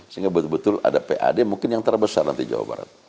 sehingga betul betul ada pad mungkin yang terbesar nanti jawa barat